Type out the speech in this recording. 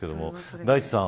大地さん。